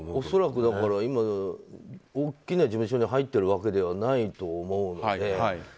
恐らく今、大きな事務所に入ってるわけではないと思うので。